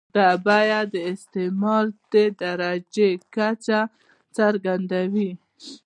دا بیه د استثمار د درجې کچه څرګندوي